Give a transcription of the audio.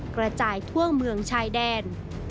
กระจายทั่วเมืองชายแดน